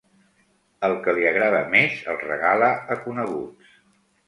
El que li agrada més, el regala a coneguts.